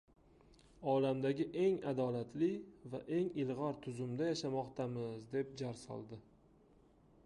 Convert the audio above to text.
olamdagi eng adolatli va eng ilg‘or tuzumda yashamoqdamiz, deb jar soldi.